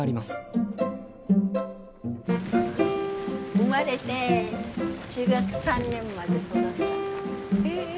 生まれて中学３年まで育った家。